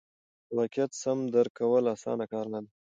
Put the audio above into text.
د واقعیت سم درک کول اسانه کار نه دی.